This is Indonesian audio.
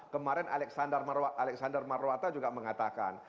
kemarin alexander marwata juga mengatakan